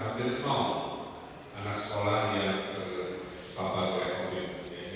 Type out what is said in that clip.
nanti penuh anak sekolah yang terpapar oleh covid sembilan belas